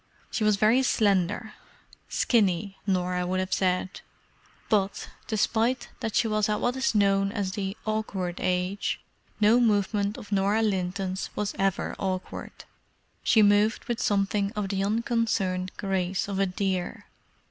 She was very slender—"skinny," Norah would have said—but, despite that she was at what is known as "the awkward age," no movement of Norah Linton's was ever awkward. She moved with something of the unconcerned grace of a deer.